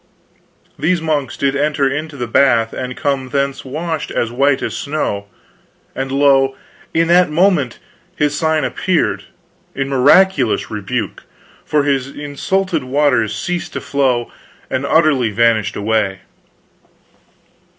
These monks did enter into the bath and come thence washed as white as snow; and lo, in that moment His sign appeared, in miraculous rebuke! for His insulted waters ceased to flow, and utterly vanished away."